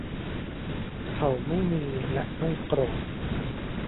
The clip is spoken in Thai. เขาไม่มีและไม่โกรธ